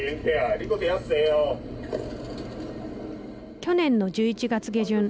去年の１１月下旬